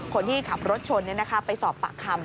คนที่ขับรถชนไปสอบปากคำ